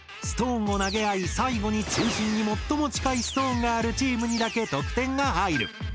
ストーンを投げ合い最後に中心に最も近いストーンがあるチームにだけ得点が入る。